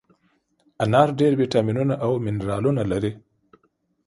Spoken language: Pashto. انار ډېر ویټامینونه او منرالونه لري.